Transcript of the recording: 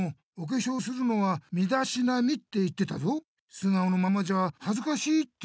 素顔のままじゃはずかしいって。